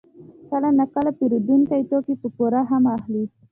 کله ناکله پېرودونکي توکي په پور هم اخلي